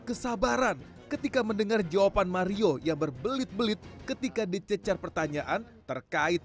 kesabaran ketika mendengar jawaban mario yang berbelit belit ketika dicecar pertanyaan terkait